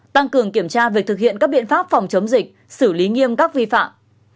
tăng cường kiểm tra việc thực hiện các biện pháp phòng chống dịch xử lý nghiêm các vi phạm